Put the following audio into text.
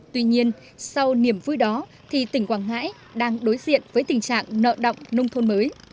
tuy nhiên sau niềm vui đó thì tỉnh quảng ngãi đang đối diện với tình trạng nợ động nông thôn mới